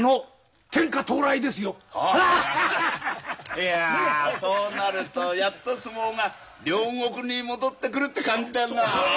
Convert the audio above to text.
いやそうなるとやっと相撲が両国に戻ってくるって感じだなあアハハハ！